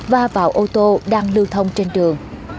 và vào ô tô đang lưu thông trên đường